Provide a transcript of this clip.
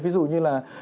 ví dụ như là